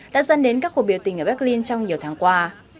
đã dân đến các cuộc biểu tình ở berlin trong nhiều tháng qua